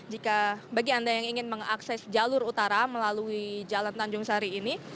jika bagi anda yang ingin mengakses jalur utara melalui jalan tanjung sari ini